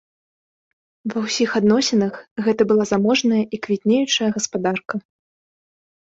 Ва ўсіх адносінах гэта была заможная і квітнеючая гаспадарка.